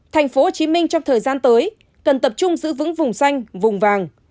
tp hcm trong thời gian tới cần tập trung giữ vững vùng xanh vùng vàng